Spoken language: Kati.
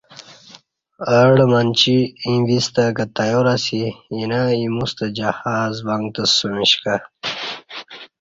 اڈہ منچی ییں ویستہ کہ تیار اسی اینہ ایموستہ جہاز ونگتسمش کہ